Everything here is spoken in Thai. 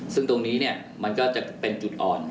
ซึ่งตรงนี้มันก็จะเป็นจุดอ่อน